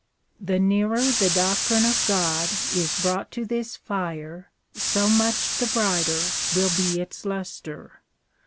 The nearer the doctrine of God is brought to this fire, so much the brighter will be its lustre.